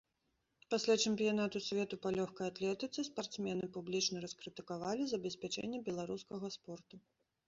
Пасля чэмпіянату свету па лёгкай атлетыцы спартсмены публічна раскрытыкавалі забеспячэнне беларускага спорту.